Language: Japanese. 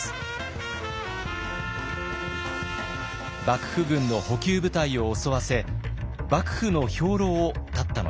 幕府軍の補給部隊を襲わせ幕府の兵糧を絶ったのです。